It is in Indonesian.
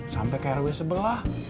sampai ke rw sebelah